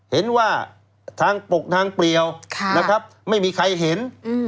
เห็นว่าทางปกทางเปรียวนะครับไม่มีใครเห็น